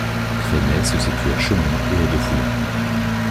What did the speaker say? Crenay se situe à de Chaumont, et à de Foulain.